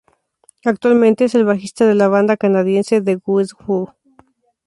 Actualmente es el bajista de la banda canadiense The Guess Who.